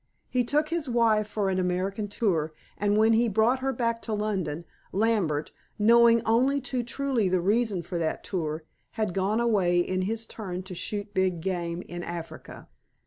He took his wife for an American tour, and when he brought her back to London, Lambert, knowing only too truly the reason for that tour, had gone away in his turn to shoot big game in Africa.